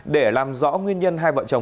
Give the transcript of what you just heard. để làm rõ nguyên nhân hai vợ chồng tử vong